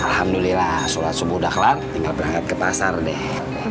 alhamdulillah sholat subuh dahlan tinggal berangkat ke pasar deh